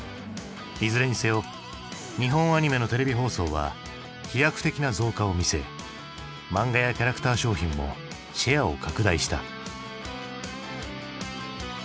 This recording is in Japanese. いずれにせよ日本アニメのテレビ放送は飛躍的な増加を見せ漫画やキャラクター商品もシェアを拡大した。